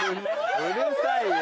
うるさい。